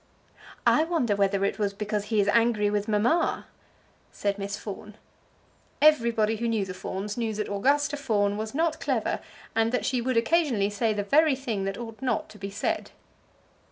"I wonder whether it was because he is angry with mamma," said Miss Fawn. Everybody who knew the Fawns knew that Augusta Fawn was not clever, and that she would occasionally say the very thing that ought not to be said.